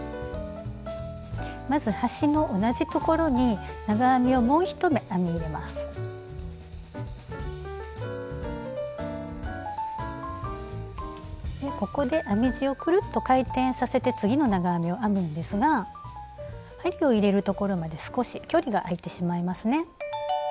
まず端の同じところにここで編み地をくるっと回転させて次の長編みを編むんですが針を入れるところまで少し距離が開いてしまいますね。